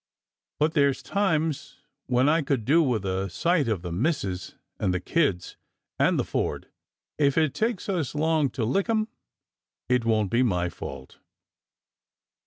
But there's times when I could do with a sight of the missus and the kids and the Ford. If it takes us long to lick 'em, it won't be my fault."